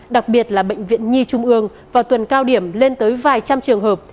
đặc biệt là bệnh viện nhi trung ương vào tuần cao điểm lên tới vài trăm trường hợp